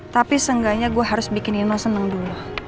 tapi seenggaknya gue harus bikin nino seneng dulu